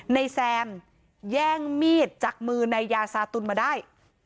แซมแย่งมีดจากมือนายยาซาตุลมาได้